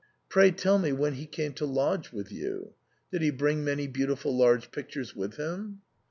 Pray tell me when he came to lodge with you ? Did he bring many beau tiful large pictures with him